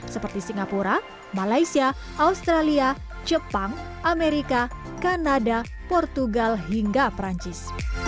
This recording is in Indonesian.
seperti singapura malaysia australia jepang amerika kanada portugal hingga perancis